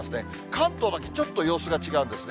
関東だけちょっと様子が違うんですね。